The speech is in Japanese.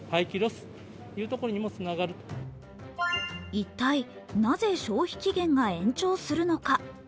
一体なぜ、消費期限が延長するのか？